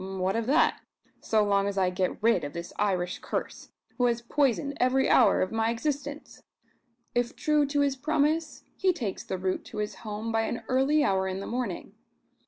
What of that, so long as I get rid of this Irish curse, who has poisoned every hour of my existence! If true to his promise, he takes the route to his home by an early hour in the morning.